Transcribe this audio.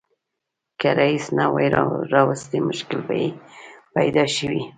که رییس نه وای راوستي مشکل به یې پیدا شوی و.